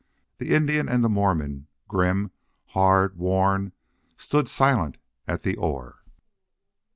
The Indian and the Mormon, grim, hard, worn, stood silent at the oar.